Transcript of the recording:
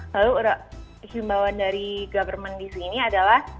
lalu himbawan dari government di sini adalah